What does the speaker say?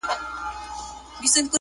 اخلاق د انسان تلپاتې شتمني ده،